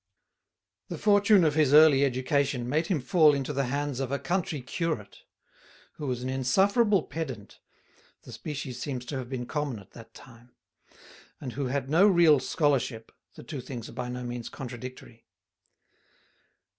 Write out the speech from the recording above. The fortune of his early education made him fall into the hands of a country curate, who was an insufferable pedant (the species seems to have been common at that time), and who had no real scholarship (the two things are by no means contradictory).